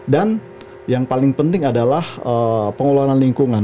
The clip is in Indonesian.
dan yang paling penting adalah pengelolaan lingkungan